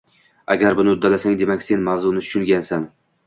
Agar buni uddalasang demak sen mavzuni tushungansan.